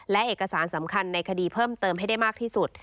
และเอกสารสำคัญในคดีเพิ่มเติมให้ได้มากที่สุด